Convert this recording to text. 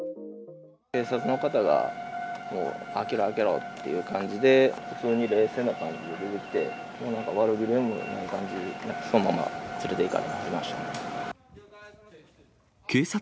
警察の方が、もう開けろ開けろっていう感じで、普通に冷静な感じで出てきて、なんか悪びれもない感じで、そのまま連れていかれてました。